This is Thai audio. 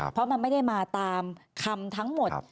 เพราะมันไม่ได้มาตามคำทั้งหมด